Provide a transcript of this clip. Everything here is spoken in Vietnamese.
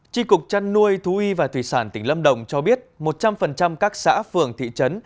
tri cục trăn nuôi thú y và thủy sản tỉnh lâm đồng cho biết một trăm linh các xã phường thị trấn